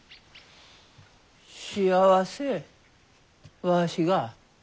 幸せわしが？